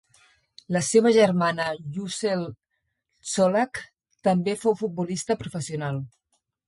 La seva germana Yücel Çolak també fou futbolista professional.